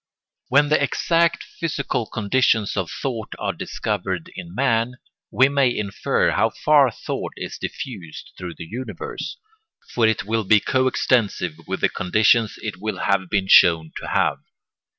When the exact physical conditions of thought are discovered in man, we may infer how far thought is diffused through the universe, for it will be coextensive with the conditions it will have been shown to have.